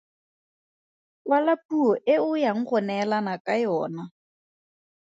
Kwala puo e o yang go neelana ka yona.